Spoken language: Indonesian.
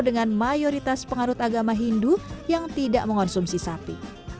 dengan mayoritas pengarut agama hindu yang tidak mengonsumsi sapi